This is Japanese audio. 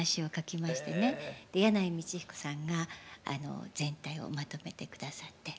で箭内道彦さんが全体をまとめて下さって。